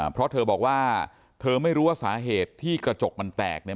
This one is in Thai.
เพราะเธอบอกว่าเธอไม่รู้ว่าสาเหตุที่กระจกมันแตกเนี่ย